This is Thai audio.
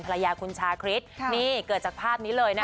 ภรรยาคุณชาคริสนี่เกิดจากภาพนี้เลยนะคะ